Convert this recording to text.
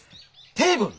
テーブル！